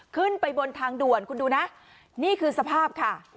ขึ้นไปบนทางด่วนคุณดูนะนี่คือสภาพค่ะ